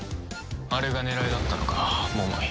あれが狙いだったのか桃井。